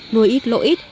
nuôi ít lỗ ít